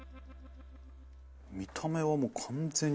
見た目はもう完全に。